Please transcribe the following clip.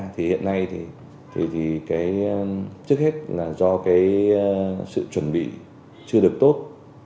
thì hiện nay thì trước hết là do sự chuẩn bị chưa được tốt